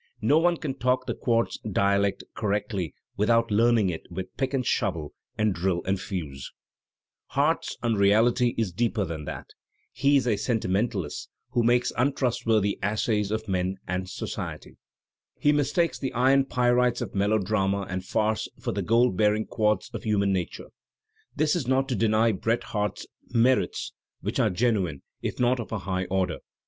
No one can talk the quartz dialect correctly without learning it with pick and shovel and drill and fuse." Harte's unreality is deeper than that; he is a sentimen Digitized by Google ^6 THE SPIRIT OF AMERICAN LITERATURE talist, who makes untrustworthy assays of man and society. He mistakes the iron pyrites of melodrama and farce for the gold bearing quartz of human nature. This is not to deny Bret Harte's merits, which are genuine if not of a high order.